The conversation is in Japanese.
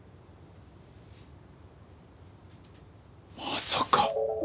まさか。